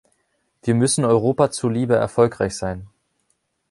Wir müssen Europa zuliebe erfolgreich sein.